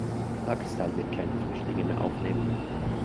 Pakistan wird keine Flüchtlinge mehr aufnehmen.